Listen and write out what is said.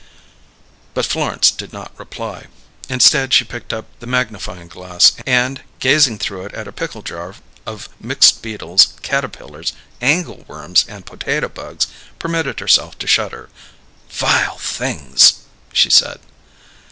But Florence did not reply; instead she picked up the magnifying glass, and, gazing through it at a pickle jar of mixed beetles, caterpillars, angleworms, and potato bugs, permitted herself to shudder. "Vile things!" she said.